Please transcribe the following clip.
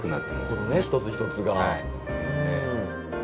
このね一つ一つが。